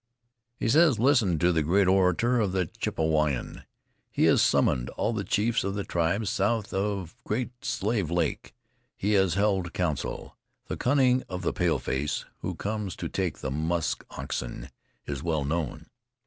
"He says listen to the great orator of the Chippewayan. He has summoned all the chiefs of the tribes south of Great Slave Lake. He has held council. The cunning of the pale face, who comes to take the musk oxen, is well known.